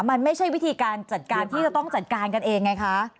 มันไม่ใช่วิธีการจัดการที่จะต้องจัดการกันเองไงคะ